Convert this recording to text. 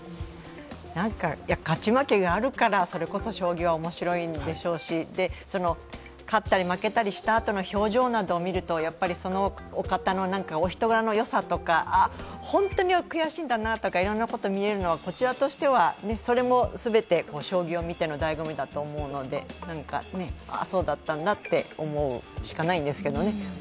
勝ち負けがあるから、それこそ将棋は面白いんでしょうし勝ったり負けたりしたあとの表情などを見ると、そのお方のお人柄の良さとか、本当に悔しいんだなとかいろんなことが見えるのはこちらとしてはそれも全て将棋を見てのだいご味だと思うので、そうだったんだと思うしかないんですけどね。